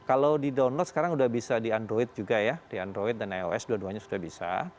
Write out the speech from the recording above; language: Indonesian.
kalau di download sekarang sudah bisa di android juga ya di android dan ios dua duanya sudah bisa